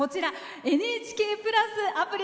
「ＮＨＫプラス」アプリ